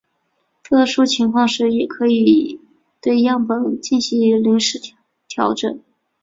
特殊情况时也可能对样本进行临时调整。